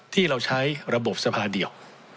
ที่เราใช้ระบบสภาเดียว